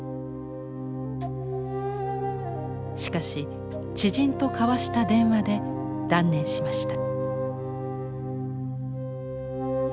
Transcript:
しかし知人と交わした電話で断念しました。